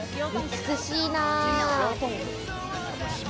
美しいな。